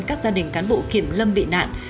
các gia đình cán bộ kiểm lâm bị nạn